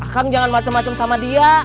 kang jangan macem macem sama dia